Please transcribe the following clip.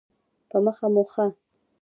په مخه مو ښه.